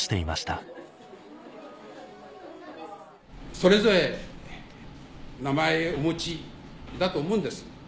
それぞれ名前お持ちだと思うんです。